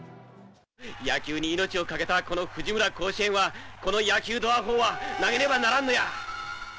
野球に命を懸けたこの藤村甲子園は、この野球どアホウ！は投げねばならんのや。